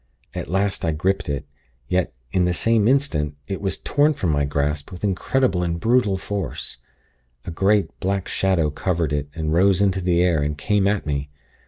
At last, I gripped it; yet, in the same instant, it was torn from my grasp with incredible and brutal force. A great, black shadow covered it, and rose into the air, and came at me.